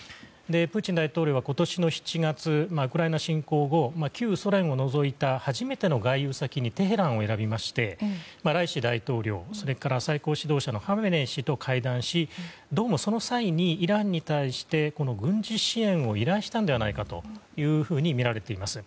プーチン大統領は今年７月ウクライナ侵攻後旧ソ連を除いた初めての外遊先にテヘランを選びましてライシ大統領それから最高指導者のハメネイ師と会談しどうもその際にイランに対して軍事支援を依頼したのではないかとみられています。